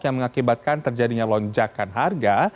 yang mengakibatkan terjadinya lonjakan harga